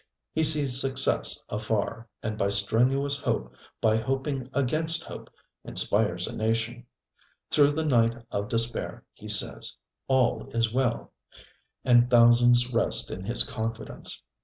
He sees success afar, and by strenuous hope, by hoping against hope, inspires a nation. Through the night of despair he says, ŌĆ£All is well, ŌĆØ and thousands rest in his confidence.